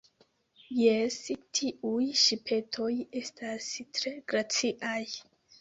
Jes, tiuj ŝipetoj estas tre graciaj.